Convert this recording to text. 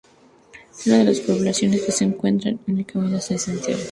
Es una de las poblaciones que se encuentran en el Camino de Santiago.